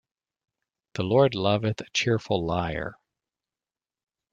The Lord loveth a cheerful liar.